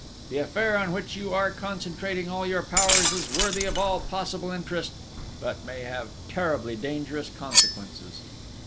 The affair on which you are concentrating all your powers is worthy of all possible interest, but may have terribly dangerous consequences."